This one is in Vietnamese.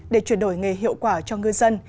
để chuyển đổi nghề hiệu quả cho ngư dân